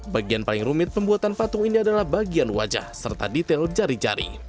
bagian paling rumit pembuatan patung ini adalah bagian wajah serta detail jari jari